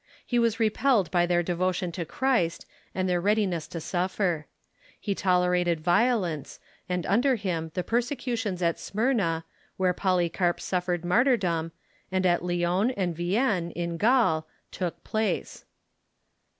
He was repelled by their devotion to Christ and their readiness to suffer. He tolerated violence, and imder him the persecutions at Smyrna, where Polycarp suffered mar tyrdom, and at Lyons and Vienne, in Gaul, took place.